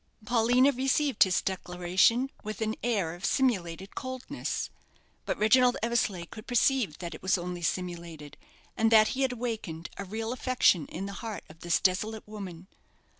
Paulina received his declaration with an air of simulated coldness; but Reginald Eversleigh could perceive that it was only simulated, and that he had awakened a real affection in the heart of this desolate woman.